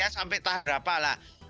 oke ya sampai tahap berapa lah